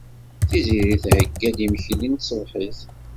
Tiziri theyya-d imekli n tṣebḥit.